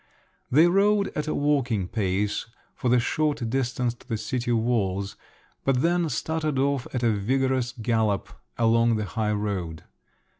They rode at a walking pace for the short distance to the city walls, but then started off at a vigorous gallop along the high road.